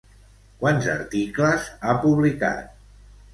Quants articles ha publicat?